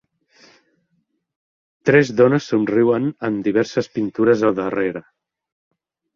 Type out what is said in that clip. Tres dones somriuen amb diverses pintures al darrere.